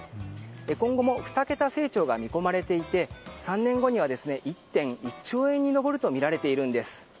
今後も２桁成長が見込まれていて３年後には１．１兆円に上るとみられているんです。